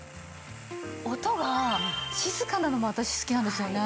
音が静かなのも私好きなんですよね。